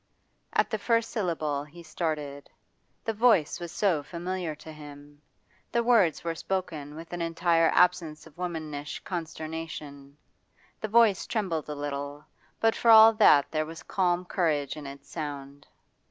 At the first syllable he started; the voice was so familiar to him. The words were spoken with an entire absence of womanish consternation; the voice trembled a little, but for all that there was calm courage in its sound.